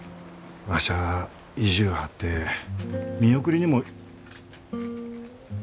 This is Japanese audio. わしゃあ意地ゅう張って見送りにも。